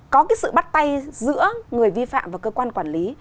có cái sự bắt tay giữa người vi phạm và cơ quan quản lý